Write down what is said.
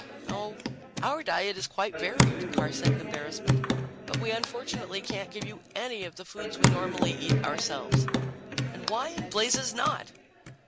"No, our diet is quite varied," Carr said in embarrassment. "But we unfortunately can't give you any of the foods we normally eat ourselves." "And why in blazes not?"